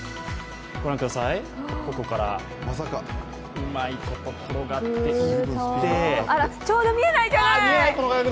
ここから、うまいこと転がっていってちょうど見えないじゃない！